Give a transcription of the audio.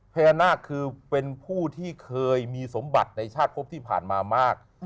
พญานาคคือเป็นผู้ที่เคยมีสมบัติในชาติพบที่ผ่านมามาก